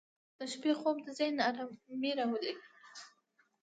• د شپې خوب د ذهن آرامي راولي.